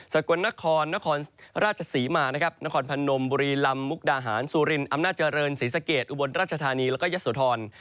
กลนครนครราชศรีมานะครับนครพนมบุรีลำมุกดาหารสุรินอำนาจเจริญศรีสะเกดอุบลราชธานีแล้วก็ยะโสธร